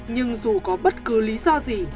nhưng dù có bất cứ lý do gì